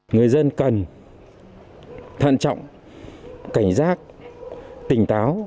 người dân cần thận trọng cảnh giác tỉnh táo